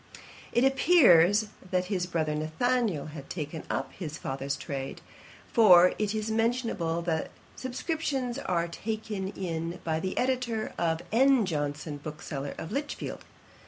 It appears that his brother Nathanael had taken up his father's trade; for it is mentioned that 'subscriptions are taken in by the Editor, or N. Johnson, bookseller, of Lichfield.'